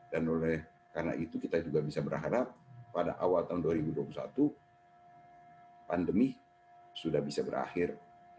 dan karena itu kita juga bisa berharap pada awal tahun dua ribu dua puluh satu pandemi sudah bisa berakhir